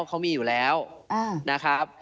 เขามีอยู่แล้วนะครับ